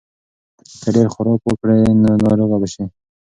که ډېر خوراک وکړې نو ناروغه به شې.